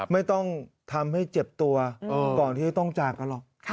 ไม่ต้องทำให้เจ็บตัวก่อนที่จะต้องจากกันหรอก